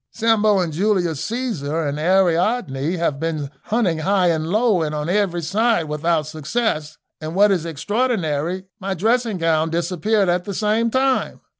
Sambo and Julius Caesar and Ariadne have been hunting high and low and on every side without success, and what is extraordinary my dressing gown disappeared at the same time.